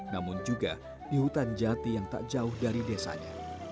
namun juga di hutan jati yang tak jauh dari desanya